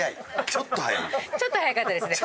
ちょっと早かったですね。